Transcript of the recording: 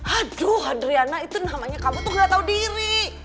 aduh adriana itu namanya kamu tuh gak tahu diri